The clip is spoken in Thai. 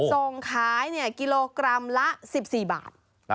ส่งขายกิโลกรัมละ๑๔บาท